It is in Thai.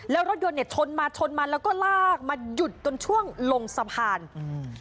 แล้วรถยนต์เนี้ยชนมาชนมาแล้วก็ลากมาหยุดจนช่วงลงสะพานอืม